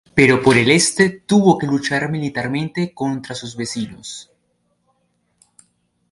Pero por el este tuvo que luchar militarmente contra sus vecinos.